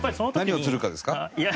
何を釣るかですか？